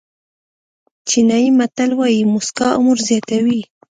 چینایي متل وایي موسکا عمر زیاتوي.